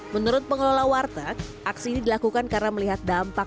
menurut pengelola warteg aksi ini dilakukan karena melihat dampak